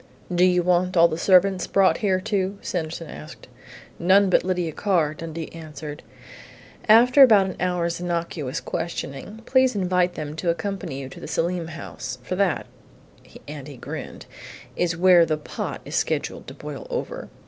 "Do you want all the servants brought here, too?" Sanderson asked. "None but Lydia Carr," Dundee answered. "After about an hour's innocuous questioning, please invite them to accompany you to the Selim house. For that " and he grinned, " is where the pot is scheduled to boil over.